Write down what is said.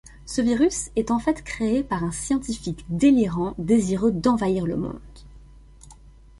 Ce virus est en fait créé par un scientifique délirant désireux d'envahir le monde.